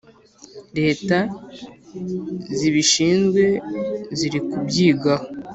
Leta zibishinzwe zirikubyigaho.